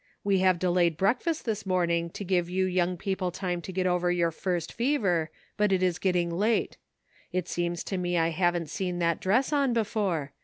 We have delayed breakfast this morning to give you young people time to get over your first fever, but it is getting late. It seems to me I haven't seen that dress on before.